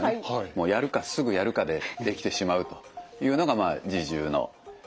もうやるかすぐやるかでできてしまうというのがまあ自重のメリットで。